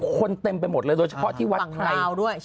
เต็มไปหมดเลยโดยเฉพาะที่วัดไทย